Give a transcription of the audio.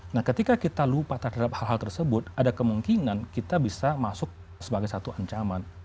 nah ketika kita lupa terhadap hal hal tersebut ada kemungkinan kita bisa masuk sebagai satu ancaman